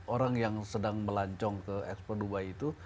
orang yang sedang melancong ke ekspor dubai itu